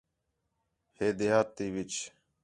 ہے دیہات تے وِچ